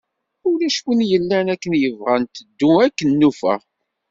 Ulac win yellan akken yebɣa, nteddu akken nufa.